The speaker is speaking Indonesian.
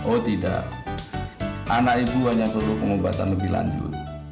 oh tidak anak ibu hanya perlu pengobatan lebih lanjut